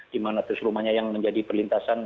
di mana terus rumahnya yang menjadi perlintasan